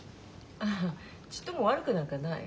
あちっとも悪くなんかない。